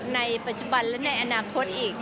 ในปัจจุบันและในอนาคตอีก